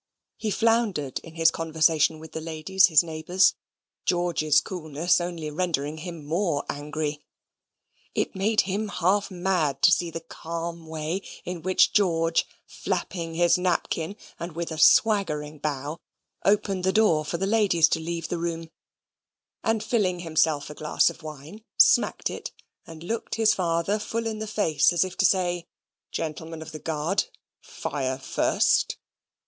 He floundered in his conversation with the ladies, his neighbours: George's coolness only rendering him more angry. It made him half mad to see the calm way in which George, flapping his napkin, and with a swaggering bow, opened the door for the ladies to leave the room; and filling himself a glass of wine, smacked it, and looked his father full in the face, as if to say, "Gentlemen of the Guard, fire first."